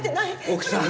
奥さん。